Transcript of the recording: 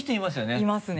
いますね。